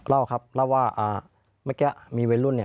เล่าครับเล่าว่าเมื่อกี้มีวัยรุ่น